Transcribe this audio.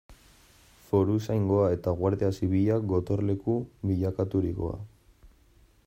Foruzaingoa eta Guardia Zibilak gotorleku bilakaturikoa.